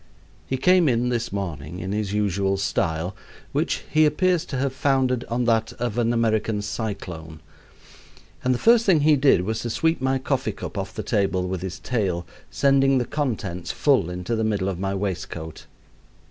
He came in this morning in his usual style, which he appears to have founded on that of an American cyclone, and the first thing he did was to sweep my coffee cup off the table with his tail, sending the contents full into the middle of my waistcoat.